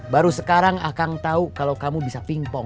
baru sekarang akang tau kalau kamu bisa ping pong